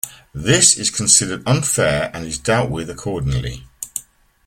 This is considered unfair and is dealt with accordingly.